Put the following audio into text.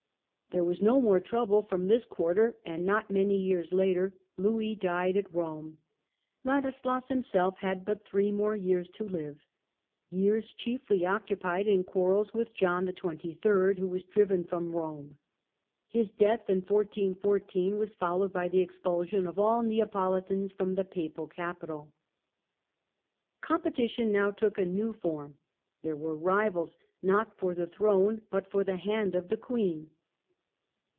There was no more trouble from this quarter and not many years later Louis died at ITALY, 1382 1453 185 Rome. Ladislas himself had but three more years to Hve ; years chiefly occupied in quarrels with John XXIII., who was driven from Rome. His death in 1414 was followed by the expulsion of all Neapolitans from the Papal Capital. Competition now took a new form : there were rivals Joanna ii. not for the throne but for the hand of the Queen.